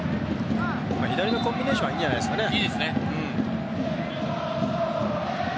左のコンビネーションはいいんじゃないですかね。